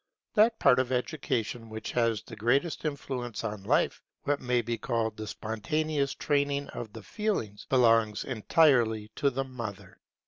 That part of education which has the greatest influence on life, what may be called the spontaneous training of the feelings, belongs entirely to the mother.